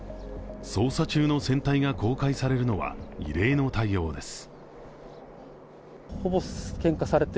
捜査中の船体が公開されるのは異例の対応です。